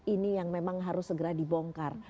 ini yang memang harus segera dibongkar